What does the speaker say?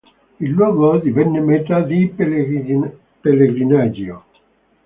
Il luogo divenne meta di pellegrinaggio.